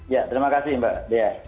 ya terima kasih mbak dea